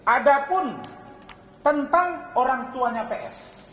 ada pun tentang orang tuanya ps